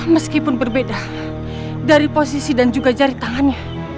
meskipun berbeda dari posisi dan juga jari tangannya